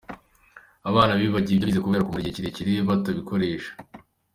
Abana bibagiwe ibyo bize kubera kumara igihe kirekire batazikoresha.